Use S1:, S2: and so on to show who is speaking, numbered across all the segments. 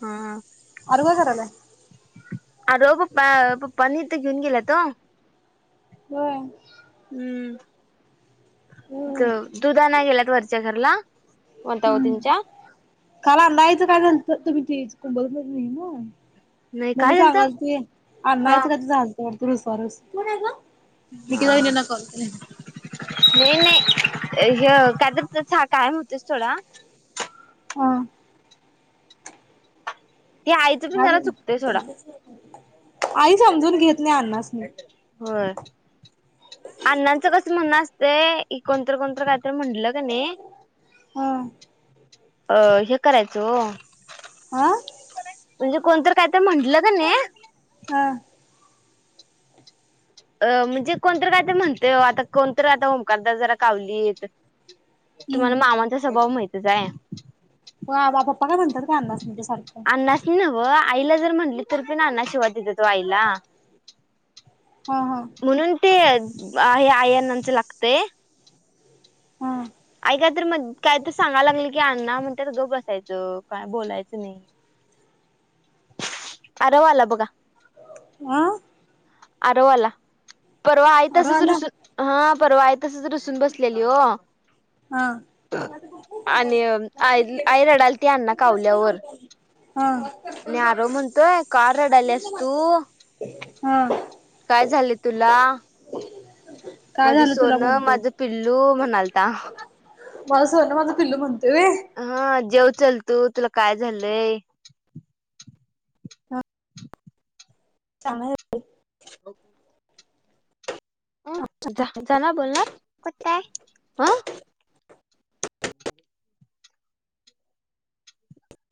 S1: हा.
S2: आरव करायलाय
S1: आरव पप्पा, पप्पांनी ते घेऊन गेल्यात ओ.
S2: होय.
S1: हम्म. द
S2: हम्म
S1: दुध आणाय गेल्यात वरच्या घरला, वताहतींच्य
S2: काला अंधायचं काय झालतं, तुम्ही ते कुंबज नाही ना. [inaudible]
S1: नाही
S2: मम्मी
S1: काय झालत
S2: सांगालती आण्यच
S1: हा
S2: काय तर झालतं पत रुस रुस तू का.
S1: हा
S2: निकी वहीनी नको.
S1: नाही नाही, ह तर कायम होतेस सोडा. हे आयचं पण
S2: हा
S1: जरा चुकतंय सोडा.
S2: आई समजून घेत नाही आण्णसनी..
S1: होय. अण्णांचा कसं म्हणणं असतंय, कोणतर कोणतर कायतर म्हटलं का नाही
S2: हा.
S1: अ हे करायचं ओ
S2: हा.
S1: म्हणजे कोणतर काय तर म्हंटलं क नाही
S2: हा.
S1: अ म्हणजे कोणतरी काय तरी म्हणते आता, कोणतरी आता ओमकारला जरा कावलीत
S2: हम्म
S1: तुम्हाला मामांचा स्वभाव माहितच आहे.
S2: हो आबा पप्पा काय म्हणतात का अण्णास नी ते सारखं
S1: नव्हं आईला जर म्हटली तरी पण अण्णा शिवाय देत होतो आईला.
S2: हा हा
S1: म्हणून ते अ हे आई अण्णाचा लागतंय.
S2: हा
S1: आई कायतर मग काय तर सांगयला लागलं की, अण्णा म्हणतेत गप बसायचं काय बोलायचं नाही. आरव आला बघा.
S2: आं
S1: आरव आला परवा आई
S2: आरव
S1: तसंच
S2: आला
S1: रुसून हा परवा आई तसच रुसून बसलेली हो.
S2: हा.
S1: आणि आई आई रडालती अण्णा कावल्यावर
S2: हां.
S1: आणि आरो म्हणतोय का रडायल्यास तु?
S2: हा.
S1: काय झाली तुला?
S2: काय
S1: माझं
S2: झालं तुला
S1: सोनं
S2: म्हणतोय.
S1: माझं पिल्लू म्हणालता.
S2: माझं सोना माझं पिल्लू म्हणतोय वेय.
S1: हा जेव चल तू तुला काय झालंय?
S2: [unintelligible]
S1: [unintelligible] जा जाणार बोलणार आहे [unintelligible] हां.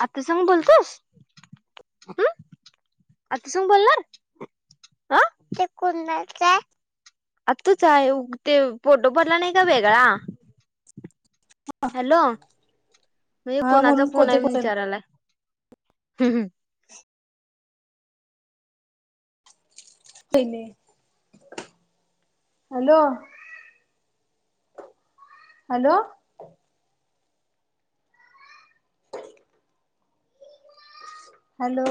S1: आत्या संग बोलतोयस उम्म आत्या संग बोलणार? आं. [unintelligible] आत्तूच आहे उ त्योव फोटो भरला नाय का वेगळा.
S2: आ हा.
S1: हॅलो म्हणजे कोणाचा फोन
S2: कोते
S1: आहे म्हणून
S2: कोते
S1: विचारायला.
S2: हिने हॅलो. हॅलो. हॅलो.